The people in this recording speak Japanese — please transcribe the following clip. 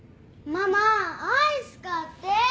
ママアイス買って。